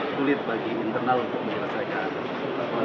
sulit bagi internal untuk menyelesaikan